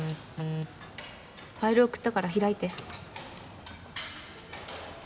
ファイル送ったから開いて。